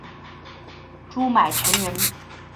朱买臣人。